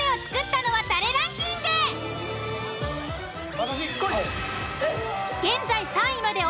私こい！